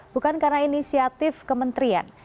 bukan karena inisiatif kementerian